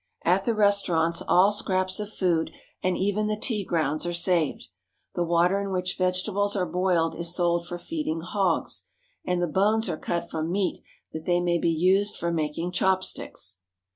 At the restaurants all scraps of food, and even the tea grounds, are saved. The water in which vegetables are boiled is sold for feeding hogs, and the bones are cut from meat that they may be used for making chopsticks.